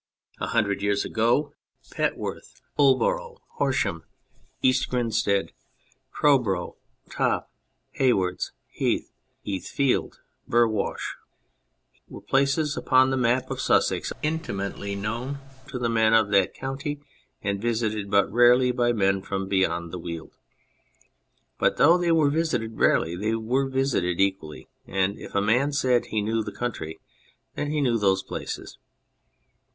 A hundred years ago Midhurst, Petworth, 31 On Anything Pulborough, Horsham, East Grinstead, Crowborough Top, Haywards Heath, Heathfield, Burwash, were places upon the map of Sussex intimately known to the men of that county, and visited but rarely by men from beyond the weald. But though they were visited rarely they were visited equally, and if a man said he knew the county then he knew those places.